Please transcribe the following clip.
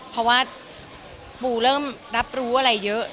เพราะว่าปูเริ่มรับรู้อะไรเยอะ